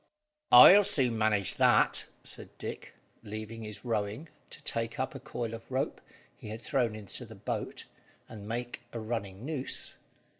"I'll soon manage that," said Dick, leaving his rowing to take up a coil of rope he had thrown into the boat, and make a running noose.